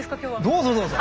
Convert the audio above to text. どうぞどうぞ！